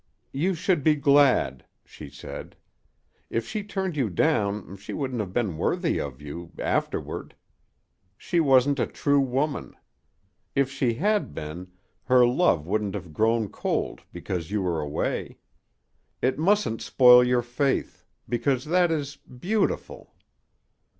"You should be glad," she said. "If she turned you down she wouldn't have been worthy of you afterward. She wasn't a true woman. If she had been, her love wouldn't have grown cold because you were away. It mustn't spoil your faith because that is beautiful."